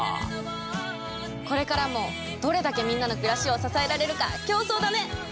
これからもどれだけみんなの暮らしを支えられるか競争だね！